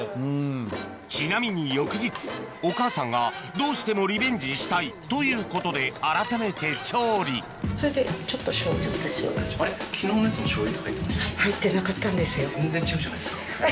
ちなみに翌日お母さんがどうしてもリベンジしたいということであらためて調理ちょっとしょう油。